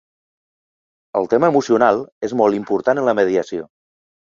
El tema emocional és molt important en la mediació.